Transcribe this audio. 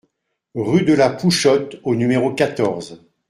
Rue de la Pouchotte au numéro quatorze